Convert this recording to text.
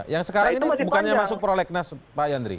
yang sekarang ini bukannya masuk prolegnas pak yandri